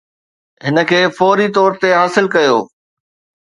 هن کي فوري طور تي حاصل ڪيو.